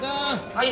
はい。